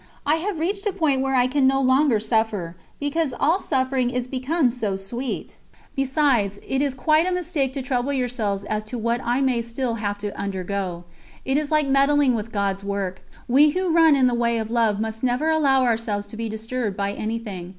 I have reached a point where I can no longer suffer, because all suffering is become so sweet. Besides, it is quite a mistake to trouble yourselves as to what I may still have to undergo. It is like meddling with God's work. We who run in the way of Love must never allow ourselves to be disturbed by anything.